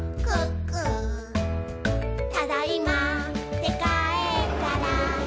「ただいまーってかえったら」